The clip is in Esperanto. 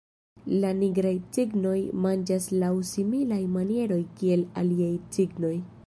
La Nigraj cignoj manĝas laŭ similaj manieroj kiel aliaj cignoj.